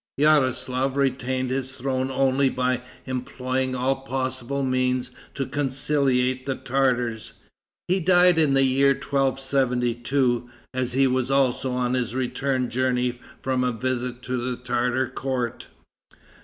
Yaroslaf retained his throne only by employing all possible means to conciliate the Tartars. He died in the year 1272, as he was also on his return journey from a visit to the Tartar court.